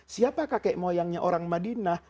siapa kakek moyangnya orang madinah